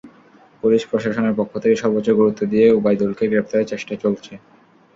Police প্রশাসনের পক্ষ থেকে সর্বোচ্চ গুরুত্ব দিয়ে ওবায়দুলকে গ্রেপ্তারের চেষ্টা চলছে।